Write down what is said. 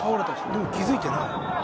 でも気づいてない。